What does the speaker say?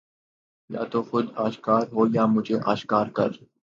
یا تو خود آشکار ہو یا مجھے آشکار کر